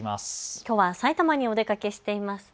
きょうは埼玉にお出かけしていますね。